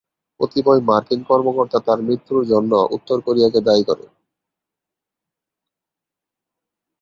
কতিপয় মার্কিন কর্মকর্তা তার মৃত্যুর জন্য উত্তর কোরিয়াকে দায়ী করেন।